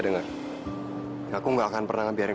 ya ampun aku gak pernah kebayang